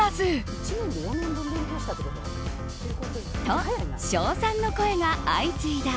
と、称賛の声が相次いだ。